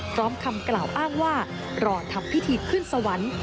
คำกล่าวอ้างว่ารอทำพิธีขึ้นสวรรค์